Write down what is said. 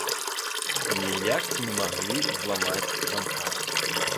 Ніяк не маглі зламаць замка.